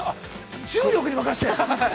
◆重力に任せて？